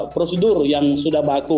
prosedur yang sudah baku